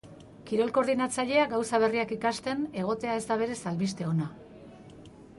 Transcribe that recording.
Kirol koordinatzailea gauza berriak ikasten egotea ez da berez albiste ona.